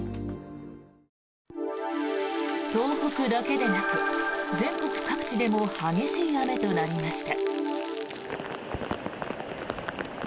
東北だけでなく全国各地でも激しい雨となりました。